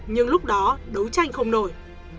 nhưng lúc đó đấu tranh không nổi